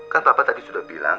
kan bapak tadi sudah bilang